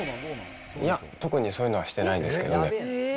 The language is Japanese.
いや、特に、そういうのはしてないんですけどね。